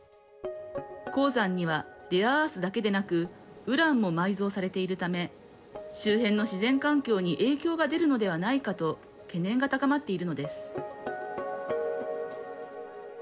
鉱山にはレアアースだけでなくウランも埋蔵されているため周辺の自然環境に影響が出るのではないかと懸念が高まっているのです。